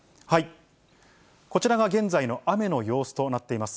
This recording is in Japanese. こちらが現在の雨の様子となっています。